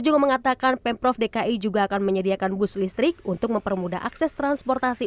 juga mengatakan pemprov dki juga akan menyediakan bus listrik untuk mempermudah akses transportasi